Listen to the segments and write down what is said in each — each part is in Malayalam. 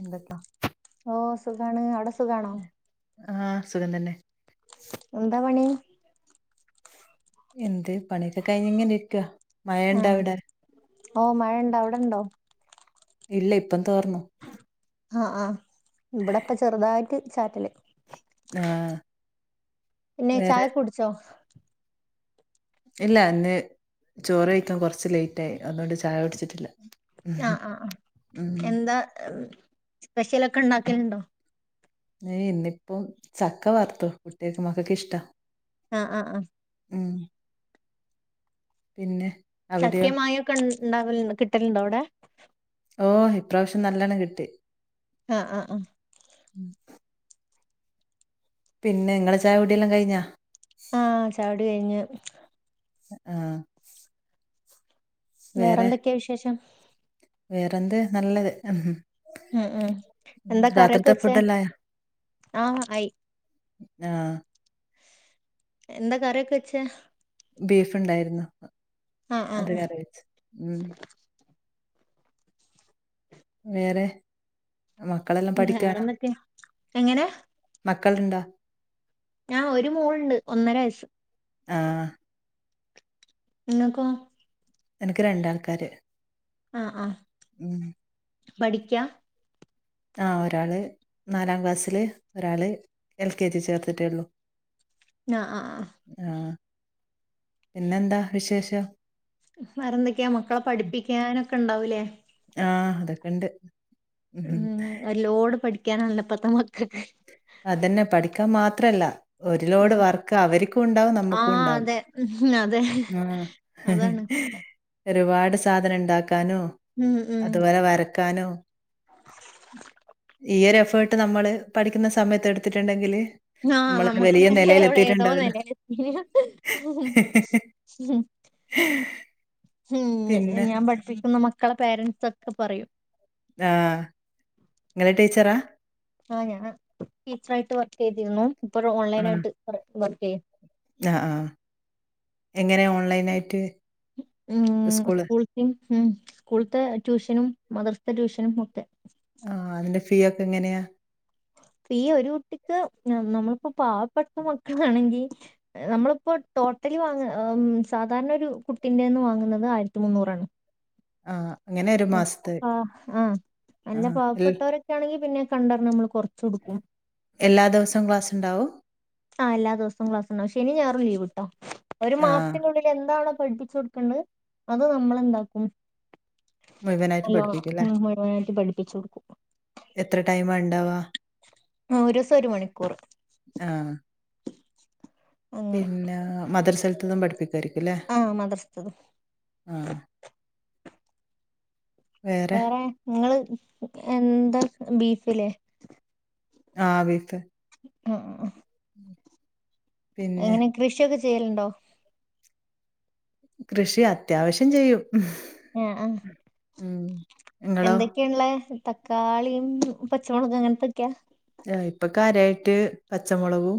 എന്തൊക്കാ ഓഹ് സുഖാണ് അവിടെ സുഖാണോ ആഹ് സുഖം തന്നെ എന്താ പണി എന്ത് പണിയൊക്കെ കഴിഞ്ഞു ഇങ്ങനെ ഇരിക്ക മഴണ്ടാവിട ഓഹ് മഴ ണ്ടോ അവിടെണ്ടോ ഇല്ല ഇപ്പം തോർന്നു ആഹ് ആഹ് ഇവിടെപ്പ ചെറുതായിട്ട് ചാറ്റല് ആഹ് പിന്നെ വേറെ ചായക്കൊ കുടിച്ചോ ഇല്ല ഇന്ന് ചോറ് കഴിക്കാൻ കൊറച്ച് ലേറ്റായി അതുകൊണ്ട് ചായ കുടിച്ചിട്ടില്ല ഉം ആഹ് ആഹ് ഉം. എന്താ സ്പെഷ്യലൊക്കെ ഉണ്ടാക്കല്ണ്ടോ ഇന്നിപ്പോ ചക്ക വർത്ത് കുട്ടികക്കെ മക്കൾക്ക്‌ ഇഷ്ടാ ആഹ് ആഹ ആഹ് ഉം പിന്നെ അവിടെയോ ചക്കയും മാങ്ങയും ഒക്കെ ഉണ്ടാവ കിട്ടലുണ്ടോ അവിടെ ഓഹ് ഇപ്രാവശ്യം നല്ലണം കിട്ടി ആഹ് ആഹ് ആഹ് ഉം. പിന്നെ നിങ്ങളെ ചായ കുടിയെല്ലാം കഴിഞ്ഞാ ആഹ് ചായുടി കഴിഞ്ഞ് ആഹ് വേറെ വേറെന്തൊക്കെ വിശേഷം വേറെന്ത് നല്ലത് ഉം ഉം എന്താ കറിയൊക്കെ രാത്രിത്തെ വച്ചേ ഫുഡെല്ലായോ ആഹ് ആയി ആഹ് എന്താ കറിയൊക്കെ വെച്ചേ ബീഫ് ഉണ്ടായിരുന്നു ആഹ് ആഹ് അത് ആഹ് കറി വച്ച് വേറെ മക്കളെല്ലാം പഠിക്കാണോ വേറെന്തൊക്കെ എങ്ങനെ മക്കൾ ഇണ്ടാ ആഹ് ഒരു മോളുണ്ട് ഒന്നര വയസ്സ് ആഹ് ഇങ്ങക്കോ എനക്ക് രണ്ടാൾക്കാര് ആഹ് ആഹ് ഉം പഠിക്കാ ആഹ് ഒരാള് നാലാം ക്ലാസ്സില് ഒരാള് എൽ കെ ജി ചേർത്തിട്ടേള്ളൂ ആഹ് ആഹ് ആഹ് പിന്നെന്താ വിശേഷം വേറെന്തൊക്കെയാ മക്കളെ പഠിപ്പിക്കാനൊക്കെ ഇണ്ടാവൂലേ ആഹ് അതൊക്കെ ഇണ്ട് ഉം ഒരു ലോഡ് പഠിക്കാനല്ലോ ഇപ്പത്തെ മക്കക്ക് അതന്നെ പഠിക്കാൻ മാത്രല്ല ഒരു ലോഡ് ഉം വർക്ക് അവരുക്കും ഇണ്ടാവും ആ നമ്മുക്കും ഉണ്ടാവും അതെ ഉം അതെ ആഹ് അതാണ് [unintelligible] ഒരുപാട് സാധനം ഇണ്ടാക്കാനും ഉം ഉം അതുപോലെ വരക്കാനും ഈ ഒരു എഫേർട്ട് നമ്മള് പഠിക്കുന്ന സമയത്ത് എടുത്തിട്ടുണ്ടെങ്കില് ആഹ് നമ്മളൊരു നമ്മക്ക് വലിയ എവിടെ നിലയിലെത്തിയിട്ടുണ്ട് ഏതോ അതിന്. നെലേല് എത്തിന് ഉം [unintelligible] ഉം പിന്നെ ഞാൻ പഠിപ്പിക്കുന്ന മക്കളെ പേരന്റ്സൊക്കെ പറയും ആഹ് ഇങ്ങള് ടീച്ചറാ ആഹ് ഞാന് ടീച്ചറായിട്ട് വർക്ക് ചെയ്തിരുന്നു ഇപ്പ ദാ ആഹ്. ഓൺലൈനായിട്ട് വർക്ക് ചെയ്യാ ആഹ് ആഹ് എങ്ങനെ ഓൺലൈനായിട്ട് ഉം സ്കൂള് സ്കൂൾതേം ഉം സ്കൂൾത്തെ ട്യൂഷനും മദ്രസത്തെ ട്യൂഷനും ഒക്കെ ആഹ് അതിന്റെ ഫീ ഒക്കെ എങ്ങനെയാ ഫീ ഒരു കുട്ടിക്ക് നമ്മളിപ്പോ പാവപ്പെട്ട മക്കളാണെങ്കി നമ്മളിപ്പോ ടോട്ടലി വാങ്ങ ഉം സാധാരണ ഒരു കുട്ടിന്റെന്ന് വാങ്ങുന്നത് ആയിരത്തി മുന്നൂറാണ് ആഹ് അങ്ങനെ ഒരു അപ്പ മാസത്തെ ആഹ് നല്ല ആഹ് എൽ പാവപ്പെട്ടോര് ആണെങ്കി പിന്നേ കണ്ടറിഞ്ഞ് നമ്മൾ കൊറച്ച് കൊടുക്കും എല്ലാ ദിവസവും ക്ലാസ്ണ്ടാവും ആഹ് എല്ലാ ദിവസോം ക്ലാസ്ണ്ടാവും ശനീം ഞായറും ലീവ് ട്ടോ ഒരു ആഹ് മാസത്തിന്റെ ഉള്ളിൽ എന്താണോ പഠിപ്പിച്ച് കൊടുക്കേണ്ടത് അത് നമ്മളെന്താക്കും മുഴുവനായിട്ട് നല്ലോണം പഠിപ്പിക്കുംല്ലേ? ഉം മുഴുവനായിട്ട് പഠിപ്പിച്ചു കൊടുക്കും എത്ര ടൈമാ ഇണ്ടാവ ഉം ഒരൂസം ഒരു മണിക്കൂറ് ആഹ് പിന്നെ മദ്രസ്സേല്ത്തതും പഠിപ്പിക്കായിരിക്കുംല്ലേ ആ മദ്രസത്തത് ആഹ് വേറെ ഇങ്ങള് എന്താ ബീഫിലേ ആഹ് ബീഫ് ആഹ് പിന്നെ എങ്ങനെ കൃഷിയൊക്കെ ചെയ്യല്ണ്ടോ കൃഷി അത്യാവശ്യം ചെയ്യും ആഹ് ആഹ് ഉം. ഇങ്ങളോ? എന്തക്കെള്ളെ തക്കാളിയും പച്ചമൊളകും അങ്ങൻത്തൊക്കെയാ ആന് ഇപ്പൊ കാര്യായിട്ട് പച്ചമുളകും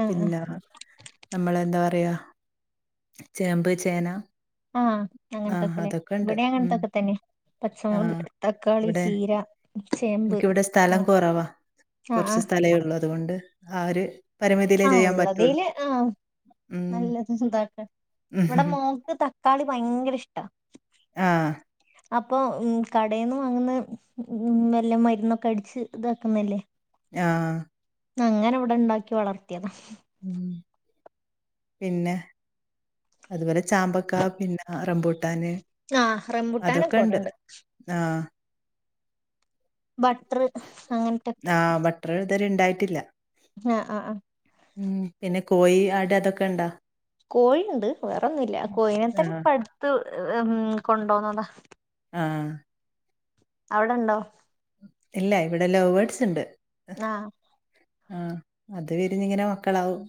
ആ പിന്നാ നമ്മളെന്താ പറയാ, ചേമ്പ് ചേന ആഹ് ആഹ് അങ്ങൻത്തൊക്കെല്ലെ അതൊക്കെണ്ട് ഇവടി ഉം അങ്ങൻത്തൊക്കെ തന്നെ ആഹ് പച്ചമുളക്, തക്കാളി, ചീര ചേമ്പ് ഇൻക്കിവിടെ സ്ഥലം ഉം. കുറവാ, ആ ആ കുറച്ച് സ്ഥലേ ഒള്ളൂ. അതുകൊണ്ട് ആ ഒര് ആഹ് ഇള്ളതില് ആഹ് ഉം നല്ലത് ഇതാക്കാ. ഇവടെ മോക്ക് ത ക്കാളി ഭയങ്കര ഇഷ്ടാ. ആഹ് അപ്പൊ ഉം കടെന്നു വാങ്ങുന്നത് വല്ല മരുന്നൊക്കെ അടിച്ച് ഇതാക്കുന്നല്ലേ? ആഹ് ന്നങ്ങനെവിടണ്ടാക്കി വളർത്തിയതാ. ഉം പിന്നെ, അതുപോലെ ചാമ്പക്ക പിന്നെ റമ്പൂ ട്ടാന് ആ റംബുട്ടാനൊക്കെ അതൊക്കെ ണ്ട്. ഇവിടെണ്ട് ആഹ്. ബട്ടറ് അങ്ങൻത്തൊ ആഹ് ബട്ടറ് ഇതുവരെ ഉണ്ടായിട്ടില്ല. ആഹ് ആഹ് ആഹ് ഉം പിന്നെ കോഴി, ആട് അതൊക്കെ ണ്ടോ? കോഴിണ്ട് വേറൊന്നുല്ല. കോഴിനെ തന്നെ ആഹ് ഇപ്പട്ത്ത് ഉം കൊണ്ടോന്നതാ. ആഹ്. അവിടെണ്ടോ? ഇല്ല ഇവിടെ ലൗവേഡ്സ് ണ്ട്. ആഹ്. ആഹ് അത് വിരിഞ്ഞിങ്ങനെ മക്കളാവും.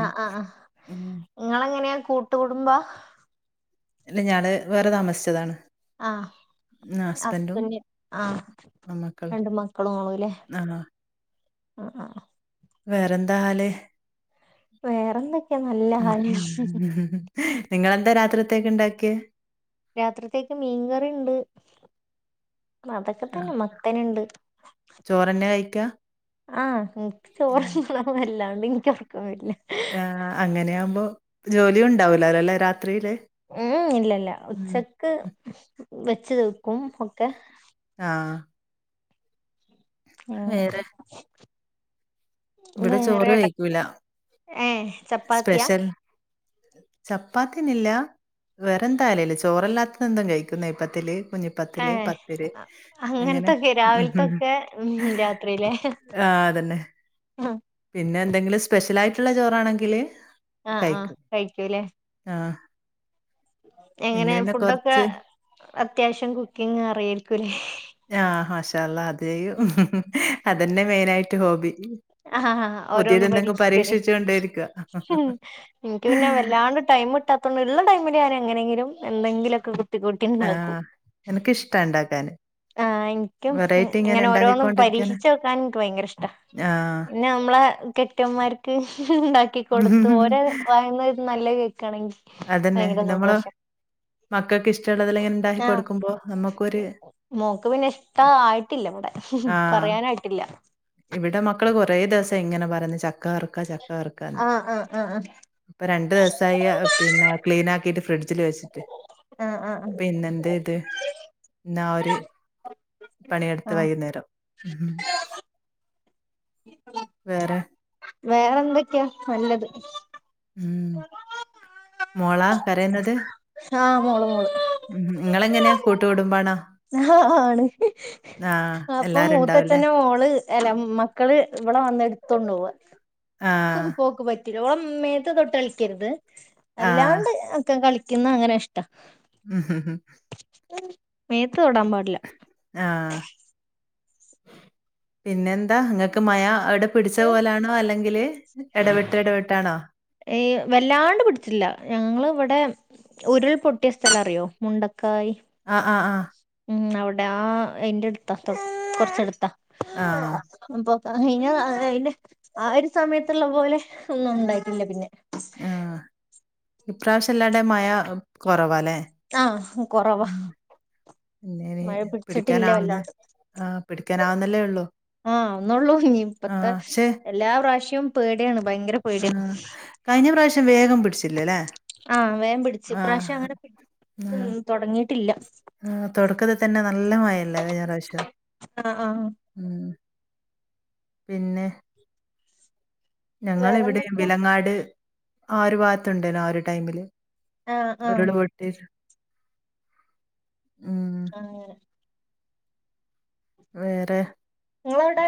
ആഹ് ആഹ് ആഹ്. ഉം. ഇങ്ങളെങ്ങനെയാ കൂട്ടുകുടുംമ്പാ? ഇല്ല ഞങ്ള് വേറെ താമസിച്ചതാണ്. ആഹ് ആ ഹസ്ബൻഡും ഹസ്ബെൻഡ് ആഹ് ആ മക്കളും. രണ്ട് മക്കളും ഇങ്ളുല്ലേ ആഹാ. ആഹ് ആഹ്. വേറെന്താ ഹാല് വേറെന്തൊക്കെയാ നല്ല ഉം കാര്യം നിങ്ങെളെന്താ രാത്രിത്തേക്ക് ണ്ടാക്ക്യേ? രാത്രിത്തേക്ക് മീൻകറിണ്ട് അതൊക്കെ ആ തന്നെ. മത്തന്ണ്ട്. ചോറന്നെ കഴിക്ക? ആഹ് ഇൻക്ക് ചോറ്ന്നണം അല്ലാണ്ട് ഇൻക്ക് ഒർക്കം വര്ല്ല. ആഹ് അങ്ങനെയാവുമ്പോ ജോലിയു ണ്ടാവൂലേലല്ലേ രാത്രിയില്. ഉം ഇല്ലല്ല ഉം. ഉച്ചക്ക് വെച്ച് ത്ക്കും ഒക്കെ. ആഹ്. എങ്ങനെ. വേറെ ഇവിടെ ചോറ് വെയ്ക്കൂല. ഏഹ് ചപ്പാത്തിയാ സ്പെഷ്യൽ ചപ്പാത്തി ന്നില്ല. വെറെ എന്തായാലേല്ല് ചോറല്ലാത്ത എന്തും കയ്ക്കും നെയ്പ്പത്തില്, കുഞ്ഞി ഏഹ് അങ്ങൻത്തൊക്കെ ഉം, ഉം. രാവിൽത്തൊക്കെ ഉം രാത്രിലെ. ആ അതന്നെ. അഹ. പിന്നെ എന്തെങ്കിലും സ്പെഷ്യൽ ആയിട്ടുള്ള ചോറാണെങ്കില്, ആഹ് ആഹ് കഴിക്കും. കഴിക്കു ലേ. ആഹ്. എങ്ങനെ ഇന്ന് പിന്നെ ഫുഡൊക്കെ കൊറച്ച് അത്യാവശ്യം കുക്കിങ് അറിയേയ്രിക്കുലേ. ആഹ് മാഷാള്ളാഹ് അത് ചെയ്യും. അതന്നെ മെയിനായിട്ട് ഹോബി. ആഹ് അഹ് ഓരോന്ന് പുതിയതെന്തെങ്കിലും പരീക്ഷിക്കല്. പരീക്ഷിച്ചോണ്ടേയിരിക്ക. ഇനിക്ക് പിന്നെ വല്ലാണ്ട് ടൈം കിടാത്തൊണ്ട് ഉള്ള ടൈമിൽ ഞാൻ എങ്ങനെയെങ്കിലും എന്തെങ്കിലൊക്കെ കൂട്ടിണ്ടാക്കും. ആഹ്. എനക്കിഷ്ടാ ഇണ്ടാക്കാന്. ആഹ് ഇനിക്കും വെറൈറ്റി ഇങ്ങനെ ഓരോന്നും ഇണ്ടാക്കിക്കൊണ്ടിരിക്കാന്. പരീക്ഷിച്ച് നോക്കാൻ എനിക്ക് ഭയങ്കര ഇഷ്ട ആഹ്. പിന്നെ നമ്മളെ കെട്ടിയോന്മാർക്ക് ഉണ്ടാക്കി കൊടുത്ത് ഓരോ വായിന്ന് നല്ല ക്കണെങ്കിൽ അതന്നെ. ഭയങ്കര നമ്മള് സന്തോഷ. മക്കൾക്ക് ഇഷ്ടമുള്ളത ഇങ്ങനെ ഉണ്ടാക്കി ആഹ് കൊടുക്കുമ്പോൾ ന മെക്കൊര് മോക്ക് പിന്നെ ഇഷ്ട ആയിട്ടില്ല ഇവിടെ ആഹ്. പറയാനായിട്ടില്ല. ഇവിടെ മക്കള് കൊറേ ദിവസം ഇങ്ങനെ പറന്ന് ചക്ക വറക്കാ ചക്ക വറുക്കന്ന്. ആഹ് ആഹ് ആഹ് അപ്പോ രണ്ടു ദിവയസ്സായി ആ പിന്നെ ക്ലീൻ ആക്കിട്ട് ഫ്രിഡ്ജിൽ വെച്ചിട്ട്. ആഹ് ആഹ് ആഹ്. പിന്ന എന്ത ഇത് എന്ന ഒരു പണിയെടുത്ത് ആഹ് വൈകുന്നേരം. വേറെ. വേറെന്തൊക്കെയാ നല്ലത്. ഉം മോളാ കരയുന്നത്? ആഹ് മോള് മോള്. ഉം നിങ്ങളെങ്ങനെയാ കൂട്ടുകുടുംമ്പാണോ. ആഹ ആണ്. അപ്പൊ എല്ലാരും ഉണ്ടാവുംല്ലേ മൂത്തച്ഛന മോള് അല്ല മക്കള് ഇവളെവന്ന് എടുത്തൊണ്ട് പോവാ. സുഖ ആഹ് പോക്ക് പ ഒത്തിരോളം ആ മ്മേത്ത് തൊട്ട് കളിക്കരുത് ആഹ് അല്ലാണ്ട് അക്കെ കളിക്കുന്ന അങ്ങനെ ഇഷ്ടാ. ഉം ഉം ഉം. മേത്ത് തൊടാൻ പാടില്ല ആഹ് പിന്നെ ന്താ നങ്ങൾക്ക് മഴ അവിടെ പിടിച്ച പോലാണോ അല്ലെങ്കിൽ ഇടപെട്ട് ഇടപെട്ടാണോ ഏയ് വല്ലാണ്ട് പിടിച്ചില്ല ഞങ്ങള ഇവിടെ ഉരുൾ പൊട്ടിയ സ്ഥലം അറിയോ മുണ്ടക്കായി ആ ആ ആ ഉം അവിടെ ആ അതിന്റെ അടുത്താ കുറച്ച എടുത്താ ആഹ് അപ്പൊ കഞ്ഞ അതിന്റെ ആ ഒരു സമയത്തുള്ള പോലെ ഒന്നും ണ്ടായിട്ടില്ല പിന്നെ ആഹ് ഇപ്രാവശ്യംല്ലാടെ മഴ കുറവാല്ലേ ആഹ് കൊറവാ എന്നേ മഴ പിടിച്ചിട്ടില്ല പിടിക്കാനാവുന്ന വല്ലാണ്ട് ആഹ് പിടിക്കാനാവുന്നല്ലേ ഉള്ളു ആഹ് ഒന്നള്ളൂ ഇ ഇപ്പത്തെ എല്ലാ പ്രാവശ്യവും പേടിയാണ് ഭയങ്കര ആ പേടിയാണ് കഴിഞ്ഞ പ്രാവശ്യം വേഗം പിടിച്ചില്ലല്ലേ ആഹ് വേ പിടിച്ചു ആ ഇപ്രാവശ്യം അങ്ങനെ ആ പിന്നും തുടങ്ങിട്ടില്ല ആ തുടക്കത്തിൽ തന്നെ നല്ല മഴല്ലേ കഴിഞ്ഞ പ്രാവശ്യം ആഹ് ആഹ് ഉം പിന്നെ ഞങ്ങൾ ഇവിടെ വേറെന്തൊക്കെയാ വിലങ്ങാട് ആ അരു ഭാഗത്തുണ്ടനോ ആ ഒരു ടൈമില് ആഹ് ആഹ് ഒരുൾപൊട്ടിസം ഉം ആഹ് വേറെ ങ്ങളവിടെ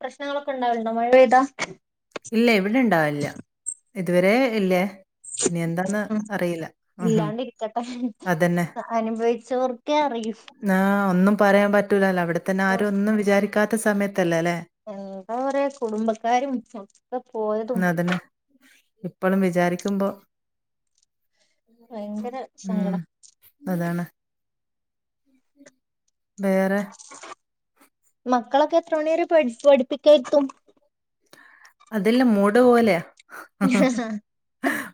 പ്രശ്നങ്ങളൊക്കെ ണ്ടാവലുണ്ടോ മഴ പെയ്താ ഇല്ല ഇവിടെ ഇണ്ടാവില്ല ഇതുവരെ ഇല്ലേ ഇനി എന്താ- ഉം ഇല്ലാണ്ട് ഇരിക്കട്ടെ അതന്നെ അനുഭവിച്ചോർക്കെ അറിയൂ. ആഹ് ഒന്നും പറയാൻ പറ്റൂലല്ലോ അവിടെത്തന്നെ ആരും ഒന്നും വിചാരിക്കാത്ത സമയത്തല്ലേ അല്ലെ- എന്താ കുറേ കുടുംബക്കാരും പോയതും ന്നതന്നെ ഇപ്പളും വിചാരിക്കുമ്പോ ഭയങ്കര ഉം സങ്കടം അതാണ്. വേറെ- മക്കളൊക്കെ എത്ര മണി വരെ പഠി പഠിപ്പിക്കാരിത്തും. അതെല്ലാം മൂട് പോലെയ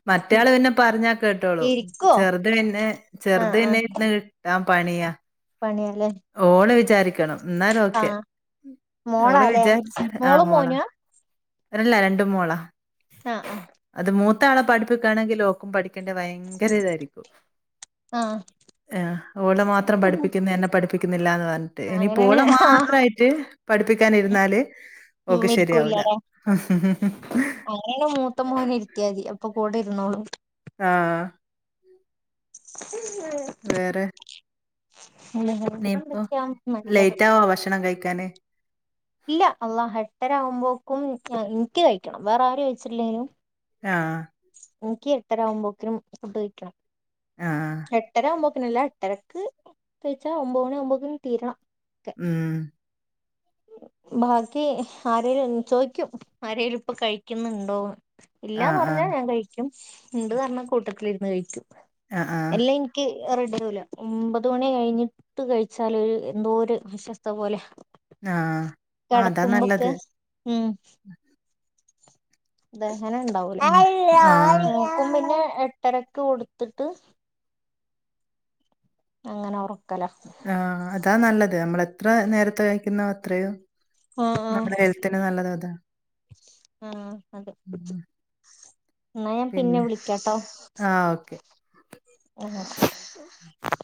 മറ്റേയാള് പിന്നെ പറഞ്ഞാൽ കേട്ടോളൂം. ഇരിക്കോ ചെറുത് പിന്നെ ചെറുത് ആഹ് പിന്നെ ഇന്ന് കിട്ട പണിയാ പണിയല്ലേ- ഓള് വിചാരിക്കണം എന്നാല ഓക്കെ ഓള് മോളാല്ലേ വിചാരിച്ച ആഹ് മോളും മോളാ മോനാ ഇല്ല രണ്ട് മോളാ. ആഹ് ആഹ്. അത് മൂത്താളെ പഠിപ്പിക്കുകയാണെങ്കിൽ ഓക്കും പഠിക്കേണ്ട ഭയങ്കര ഇതായിരിക്കും. ആഹ് ആഹ് ഓടെ മാത്രം പഠിപ്പിക്കുന്നു എന്നെ പഠിപ്പിക്കുന്നില്ലന്ന് പറ- ആഹ് അങ്ങനെയാണ് ഇനിപോള ആഹ് മാത്രയി റ്റ് പഠിപ്പിക്കൻരുന്നാല് ഓക് ഉം ശരിയാവൂല. അങ്ങനെ മൂത്ത മോനെ ഇരുത്തിയാ മതി അപ്പൊ കൂടെ ഇരുന്നോളൂം. ആഹ്. ഉം വേറെ? നീപ്പം എന്തൊക്കെയാ നല്ലത് ലേറ്റ് ആവോ ഭക്ഷണം കഴിക്കാന്? ഇല്ല അല്ലഹെട്ടരകുമ്പോക്കും എനിക്ക് കഴിക്കണം വേറെ ആരും കഴിച്ചിട്ടില്ലേലും ആഹ്. എനിക്ക് എട്ടരാആകുമ്പോക്കിനും ഫുഡ് കയി ആഹ് - എട്ടര ആവുമ്പോത്തിന് അല്ല എട്ടരക്ക് തിച്ചാ ഒമ്പോ ണിയാവുമ്പൊക തീരണം. ഒക്കെ ഉം.. ബാക്കി ആരിലും ചോയിക്കും ആരേലും ഇപ്പൊ കഴിക്കുന്നുണ്ടോ? ആഹ് ഇല്ലാന്നറഞ്ഞാ ആഹ് ഞാൻ കഴിക്കും ഉണ്ട് പറഞ്ഞാൽ കൂട്ടത്തിലിരുന്ന് കഴിക്കും ആഹ് ആഹ് എല്ലങ്കി ക്ക് റെടുല ഒമ്പത് മണി കഴിഞ്ഞിട്ട് കഴിച്ചാൽ ഒരു എന്തോ ഒരു അസ്വസ്ഥത പോലെയ- ആഹ്. ആഹ് അതാ കെടക്കുമ്പൊക്കെ നല്ലത്. ഉം. ദഹനം ഉണ്ടാവൂല പിന്നെ ആഹ് മോക്കുംപിന്നെ എട്ടരക്ക കൊടുത്തിട്ട് അങ്ങനെ ഒറക്കല്ല. ആഹ് അതാ നല്ലത് നമ്മൾ എത്ര നേരത്തെ കഴിക്കുന്ന അത്രയും ആഹ് ആഹ് നമ്മടെ ഹെൽത്തിന് നല്ലത് അതാ. ആഹ് അതെ എന്നാ ഞാൻ പിന്നെ വിളിക്കാട്ടോ ആഹ് ഓക്കെ. ആഹ് [inaudible]